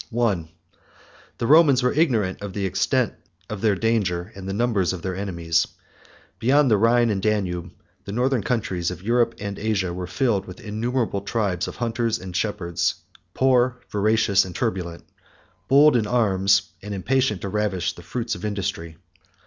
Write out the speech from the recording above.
I. The Romans were ignorant of the extent of their danger, and the number of their enemies. Beyond the Rhine and Danube, the Northern countries of Europe and Asia were filled with innumerable tribes of hunters and shepherds, poor, voracious, and turbulent; bold in arms, and impatient to ravish the fruits of industry.